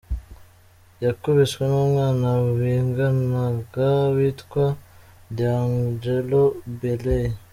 Yakubiswe n’umwana biganaga witwa Deangelo Bailey.